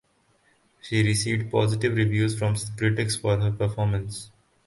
She received positive reviews from critics for her performance.